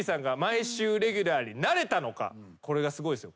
これがすごいっすよ。